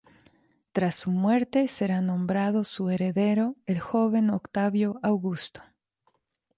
Tras su muerte será nombrado su heredero el joven Octavio Augusto.